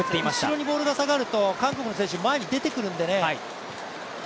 後ろにボールが下がると韓国の選手、前に出てくるので。